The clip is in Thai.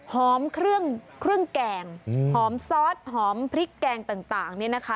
เครื่องเครื่องแกงหอมซอสหอมพริกแกงต่างเนี่ยนะคะ